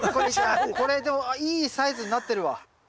これでもいいサイズになってるわ。